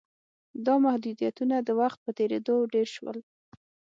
دا محدودیتونه د وخت په تېرېدو ډېر شول.